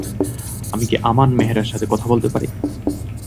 আমি কি আমান মেহরার সাথে কথা বলতে পারি?